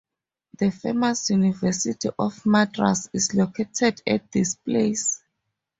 The famous University of Madras is located at this place.